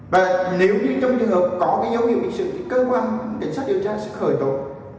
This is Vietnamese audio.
và nếu như trong trường hợp có cái dấu hiệu biệt sự thì cơ quan kinh sát điều tra sẽ khởi tội